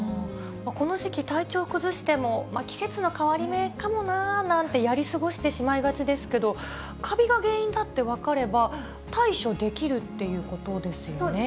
この時期、体調を崩しても、季節の変わり目かもなぁなんて、やり過ごしてしまいがちですけど、カビが原因だって分かれば対処できるっていうことですよね。